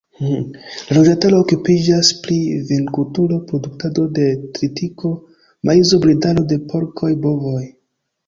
La loĝantaro okupiĝas pri vinkulturo, produktado de tritiko, maizo, bredado de porkoj, bovoj.